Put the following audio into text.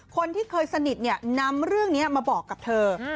คนที่เคยสนิทนำเรื่องนี้มาบอกกับเธอ